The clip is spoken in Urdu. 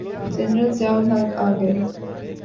جنرل ضیاء الحق آ گئے۔